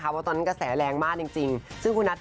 เพราะตอนนั้นกระแสแรงมากจริง